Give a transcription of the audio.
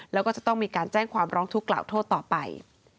แล้วก็จะต้องมีการแจ้งความร้องทุกข์กล่าวโทษต่อไป